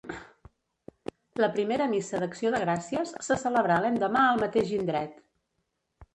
La primera missa d'acció de gràcies se celebrà l'endemà al mateix indret.